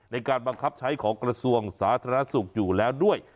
ในการบังคับใช้ของกระทรวงสาธารณสุขอยู่แล้วด้วย